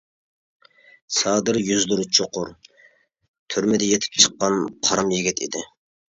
سادىر يۈزلىرى چوقۇر، تۈرمىدە يېتىپ چىققان قارام يىگىت ئىدى.